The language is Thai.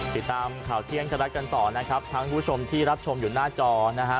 ติดตามข่าวเที่ยงไทยรัฐกันต่อนะครับทั้งผู้ชมที่รับชมอยู่หน้าจอนะฮะ